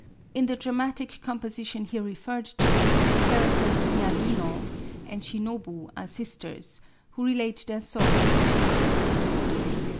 In the dramatic compose don here referred to, the characters Nfiyagino and Shinobu are ststers, who rdate their sofTowi to each other.